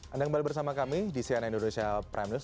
anda kembali bersama kami di cnn indonesia prime news